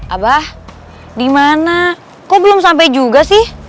abah dimana kok belum sampai juga sih